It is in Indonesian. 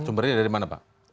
sumbernya dari mana pak